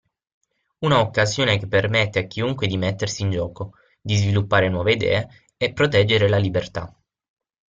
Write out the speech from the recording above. Una occasione che permette a chiunque di mettersi in gioco, di sviluppare nuove idee e proteggere la libertà.